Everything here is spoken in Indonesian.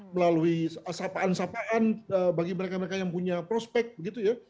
melalui sapaan sapaan bagi mereka mereka yang punya prospek begitu ya